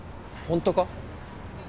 本当か？